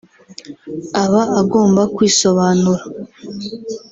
aba agomba kwisobanura